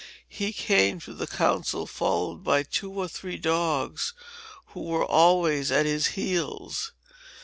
He came to the council, followed by two or three dogs, who were always at his heels.